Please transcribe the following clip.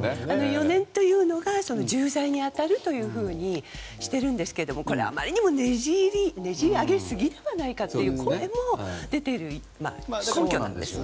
４年というのが重罪に当たるというふうにしているんですけどこれは、あまりにもねじ上げすぎではないかという声も出ている根拠なんですね。